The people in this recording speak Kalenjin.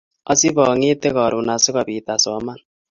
Asiang'ete karon asikobit asoman